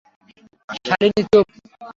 শালিনী, চুপ!